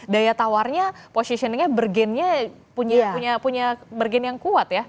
daya tawarnya positioningnya bergennya punya bergen yang kuat ya